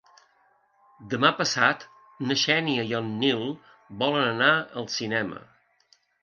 Demà passat na Xènia i en Nil volen anar al cinema.